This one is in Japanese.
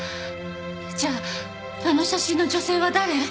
じゃああの写真の女性は誰？